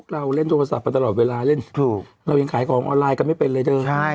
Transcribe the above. เราเล่นโทรศัพท์มาตลอดเวลาเล่นถูกเรายังขายของออนไลน์กันไม่เป็นเลยเถอะ